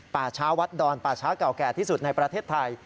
ป่าช้าวัดดอนป่าช้าเก่าแก่ที่สุดในประเทศไทย